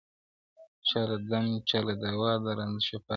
چا له دم چا له دوا د رنځ شفا سي,